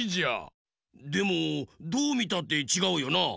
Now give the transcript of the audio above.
でもどうみたってちがうよな。